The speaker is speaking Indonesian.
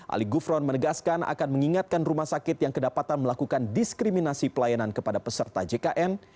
ali gufron menegaskan akan mengingatkan rumah sakit yang kedapatan melakukan diskriminasi pelayanan kepada peserta jkn